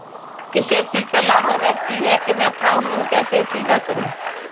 اسے فکر لاحق رہتی ہے کہ میں اپنا الو کیسے سیدھا کروں۔